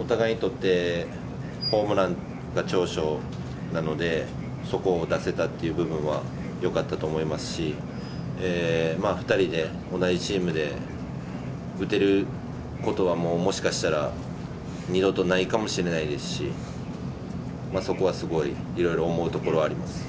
お互いにとって、ホームランが長所なので、そこを出せたっていう部分はよかったと思いますし、２人で同じチームで打てることは、もうもしかしたら二度とないかもしれないですし、そこはすごい、いろいろ思うところあります。